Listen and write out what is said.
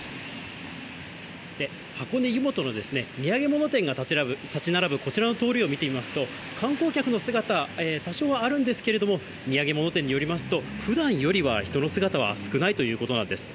箱根湯本の土産物店が建ち並ぶこちらの通りを見てみますと、観光客の姿、多少はあるんですけれども、土産物店によりますと、ふだんよりは人の姿は少ないということなんです。